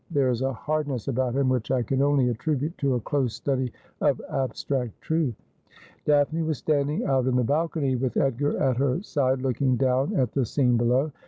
There is a hardness about him which I can only attri bute to a close study of abstract truth.' Daphne was standing out in the balcony, with Edgar at her side, looking down at the scene below.